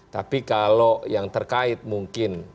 tapi kalau yang terkait mungkin